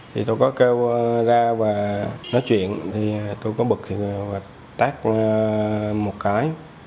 thì tôi có kêu ra và nói chuyện tôi có bực thì tát một cái